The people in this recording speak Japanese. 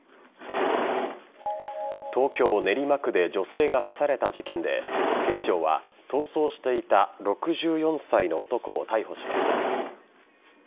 東京・練馬区で女性が刺された事件で警視庁は逃走していた６４歳の男を逮捕しました。